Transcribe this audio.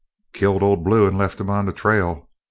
"Killed Old Blue and left him on the trail.